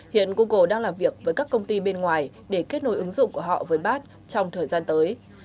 hiện google đang làm việc với các công ty bên ngoài để kết nối ứng dụng của họ với bat trong thời gian tới